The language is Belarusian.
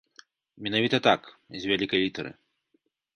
Менавіта так, з вялікай літары.